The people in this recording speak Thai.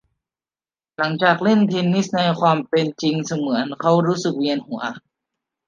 หลังจากเล่นเทนนิสในความเป็นจริงเสมือนเขารู้สึกเวียนหัว